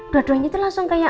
dua duanya itu langsung kayak